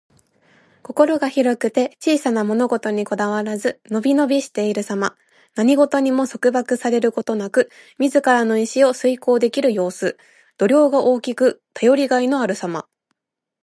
心が広くて小さな物事にこだわらず、のびのびしているさま。何事にも束縛されることなく、自らの意志を遂行できる様子。度量が大きく、頼りがいのあるさま。